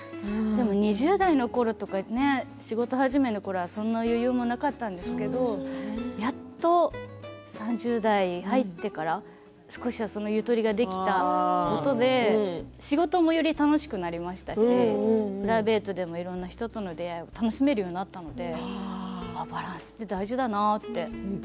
でも２０代のころとか仕事始めのころはそんな余裕がなかったんですけどやっと３０代に入ってから少しは、そのゆとりができたことで仕事もより楽しくなりましたしプライベートでもいろんな人との出会いを楽しめるようになったのでそうですね。